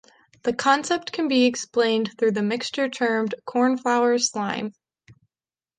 The concept can be explained through the mixture termed "cornflour slime".